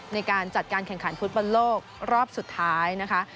ในการจัดการแข่งขันฟุตบอลโลกรอบสุดท้ายนะคะ